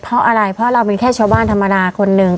เพราะอะไรเพราะเราเป็นแค่ชาวบ้านธรรมดาคนหนึ่ง